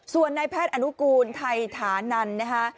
สวนในแพทย์อนุกูลไทยฐานันนะฮะ